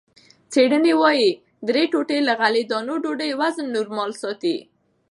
څېړنې وايي، درې ټوټې له غلې- دانو ډوډۍ وزن نورمال ساتي.